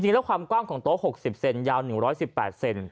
จริงแล้วความกว้างของโต๊ะ๖๐เซนยาว๑๑๘เซน